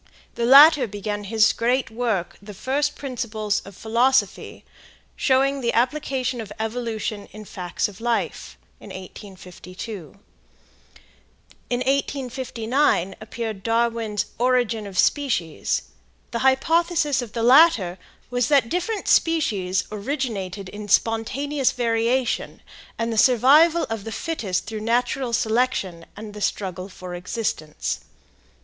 The latter began his great work, the "First Principles of Philosophy," showing the application of evolution in the facts of life, in 1852. In 1859 appeared Darwin's "Origin of Species." The hypothesis of the latter was that different species originated in spontaneous variation, and the survival of the fittest through natural selection and the struggle for existence.